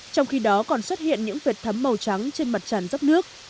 trong khi đó còn xuất hiện những vệt thấm màu trắng trên mặt tràn dốc nước